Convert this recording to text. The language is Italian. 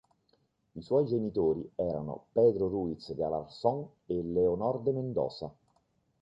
I suoi genitori erano Pedro Ruiz de Alarcón e Leonor de Mendoza.